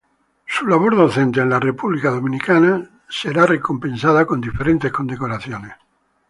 Su labor docente en la República Dominicana será recompensada con diferentes condecoraciones.